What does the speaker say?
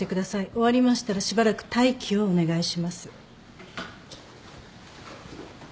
終わりましたらしばらく待機をお願いします。